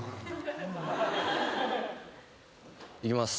いきます。